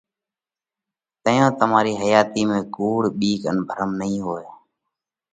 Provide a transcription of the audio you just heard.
تئيون تمارِي حياتِي ۾ ڪُوڙ، ٻِيڪ ان ڀرم نئين هوئہ،